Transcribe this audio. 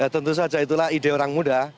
tentu saja itulah ide orang muda